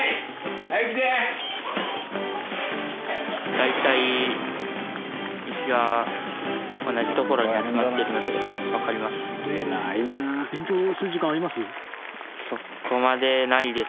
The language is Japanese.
大体牛は同じ所に集まってるのでわかります。